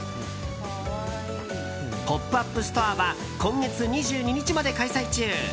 ポップアップストアは今月２２日まで開催中。